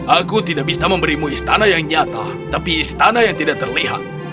aku tidak bisa memberimu istana yang nyata tapi istana yang tidak terlihat